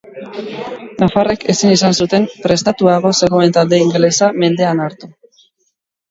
Nafarrek ezin izan zuten, prestatuago zegoen talde ingelesa, mendean hartu.